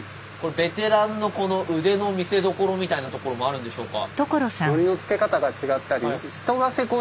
ベテランの腕の見せどころみたいなところもあるんでしょうか。